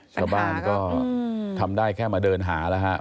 ชาวบ้านก็ทำได้แค่มาเดินหาแล้วฮะ